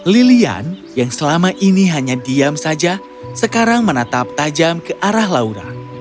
lilian yang selama ini hanya diam saja sekarang menatap tajam ke arah laura